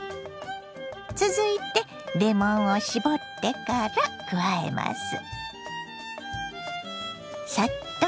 続いてレモンを搾ってから加えます。